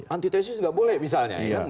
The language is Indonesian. antitesis tidak boleh misalnya